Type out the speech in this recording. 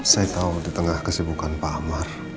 saya tau di tengah kesibukan pak mar